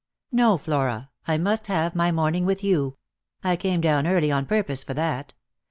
" No, Flora, I must have my morning with you ; 1 came down early on purpose for that.